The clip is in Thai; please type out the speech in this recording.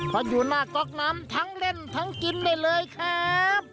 เพราะอยู่หน้าก๊อกน้ำทั้งเล่นทั้งกินได้เลยครับ